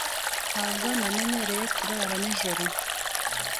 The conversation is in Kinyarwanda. Ntabwo namenyereye kurara nijoro.